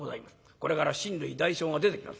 これから親類代表が出てきます。